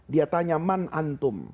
dia tanya man antum